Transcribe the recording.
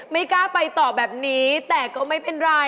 ไม่กล้าไปต่อแบบนี้แต่ก็ไม่เป็นไร